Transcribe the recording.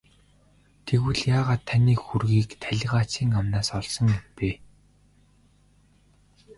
Тэгвэл яагаад таны хөрөгийг талийгаачийн амнаас олсон юм бэ?